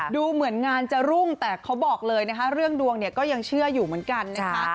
ดูเหมือนงานจะรุ่งแต่เขาบอกเลยนะคะเรื่องดวงเนี่ยก็ยังเชื่ออยู่เหมือนกันนะคะ